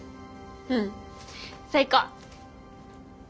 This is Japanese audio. うん最高。